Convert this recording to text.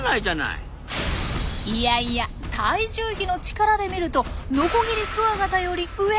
いやいや体重比の力で見るとノコギリクワガタより上！